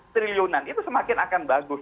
triliunan itu semakin akan bagus